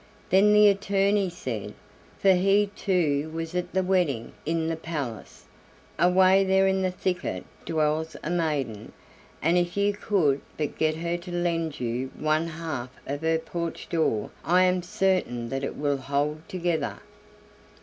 Then the attorney said, for he too was at the wedding in the palace: "Away there in the thicket dwells a maiden, and if you could but get her to lend you one half of her porch door I am certain that it will hold together."